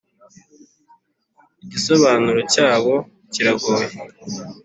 igisobanuro cyabyo kiragoye.